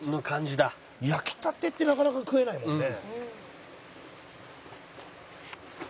「焼きたてってなかなか食えないもんね」